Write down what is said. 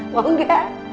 hahaha mau gak